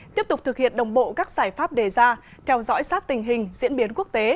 tiếp tục thực hiện đồng bộ các giải pháp đề ra theo dõi sát tình hình diễn biến quốc tế